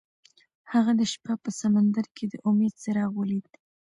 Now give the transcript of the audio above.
هغه د شپه په سمندر کې د امید څراغ ولید.